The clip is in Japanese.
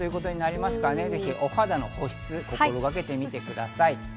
お肌の保湿、心がけてみてください。